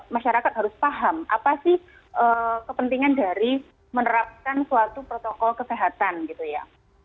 masyarakat harus paham apa sih kepentingan dari menerapkan suatu protokol kesehatan gitu ya